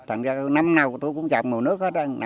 thằng năm nào tôi cũng trồng mùa nước